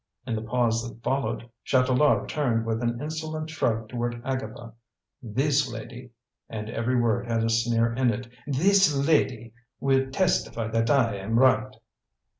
In the pause that followed, Chatelard turned with an insolent shrug toward Agatha. "This lady " and every word had a sneer in it "this lady will testify that I am right."